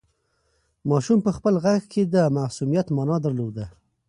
ماشوم په خپل غږ کې د معصومیت مانا درلوده.